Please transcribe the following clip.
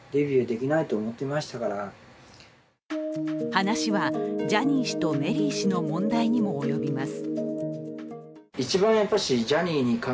話はジャニー氏とメリー氏の問題にもおよびます。